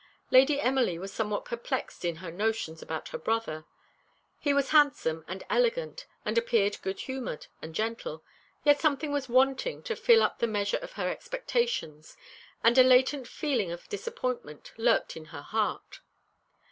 Lady Emily was somewhat perplexed in her notions about her brother. He was handsome and elegant, and appeared good humoured and gentle; yet something was wanting to fill up the measure of her expectations, and a latent feeling of disappointment lurked in her heart.